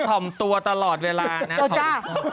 ถ่อมตัวตลอดเวลานะครับ